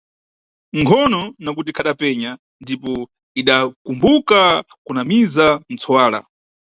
Nkhono, nakuti ikhadapenya, ndipo idakumbuka kunamiza ntsuwala.